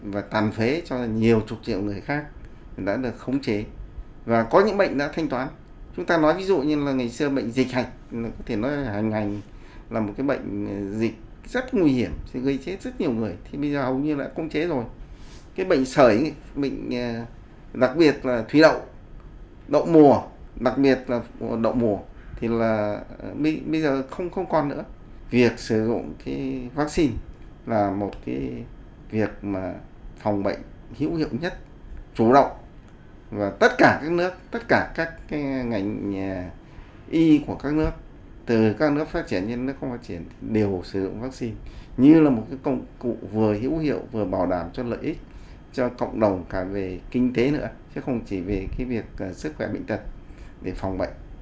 và việc sử dụng cái vaccine là một cái việc mà phòng bệnh hữu hiệu nhất chủ động và tất cả các nước tất cả các cái ngành y của các nước từ các nước phát triển đến các nước không phát triển đều sử dụng vaccine như là một cái công cụ vừa hữu hiệu vừa bảo đảm cho lợi ích cho cộng đồng cả về kinh tế nữa chứ không chỉ về cái việc sức khỏe bệnh tật để phòng bệnh